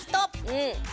うん。